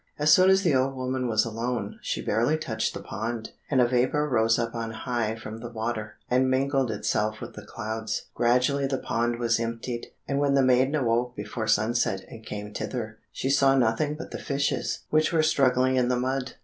As soon as the old woman was alone, she barely touched the pond, and a vapour rose up on high from the water, and mingled itself with the clouds. Gradually the pond was emptied, and when the maiden awoke before sunset and came thither, she saw nothing but the fishes which were struggling in the mud.